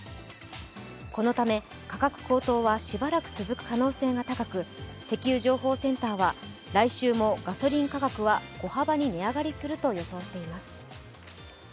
このため価格高騰はしばらく続く可能性が高く、石油情報センターは、来週もガソリン価格は小幅に値上がりすると予想しています。